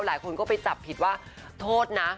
หลายคนก็ไปจับผิดว่าโทษนะ